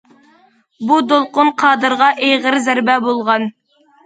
بۇ، دولقۇن قادىرغا ئېغىر زەربە بولغان.